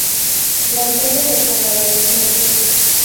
La sede del condado es Mercer.